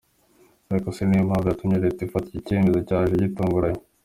Ariko se ni iyihe mpamvu yatumye Leta ifata iki cyemezo cyaje gitunguranye?.